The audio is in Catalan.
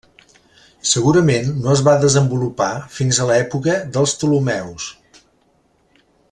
Segurament no es va desenvolupar fins a l'època dels Ptolemeus.